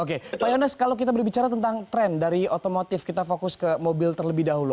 oke pak yones kalau kita berbicara tentang tren dari otomotif kita fokus ke mobil terlebih dahulu